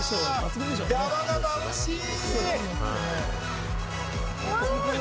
山がまぶしい！